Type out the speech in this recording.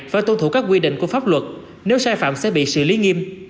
phải tuân thủ các quy định của pháp luật nếu sai phạm sẽ bị xử lý nghiêm